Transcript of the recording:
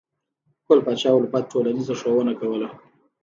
ګل پاچا الفت ټولنیزه ښوونه کوله.